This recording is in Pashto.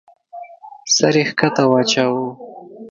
سر يې کښته واچاوه.